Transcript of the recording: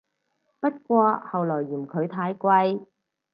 不過後來嫌佢太貴